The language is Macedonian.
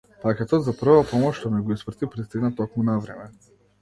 Пакетот за прва помош што ми го испрати пристигна токму на време.